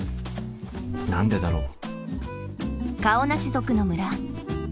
何でだろう？